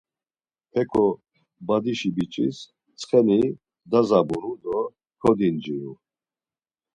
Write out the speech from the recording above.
Heko badişi biç̌is ntsxeni dazabunu do kodinciru.